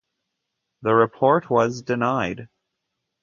The report was denied.